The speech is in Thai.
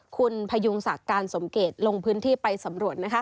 คุณพยุงศักดิ์การสมเกตลงพื้นที่ไปสำรวจ